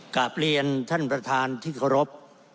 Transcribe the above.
กลับเรียนท่านประธานที่เคารพ